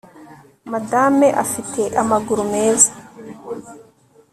madame afite amaguru meza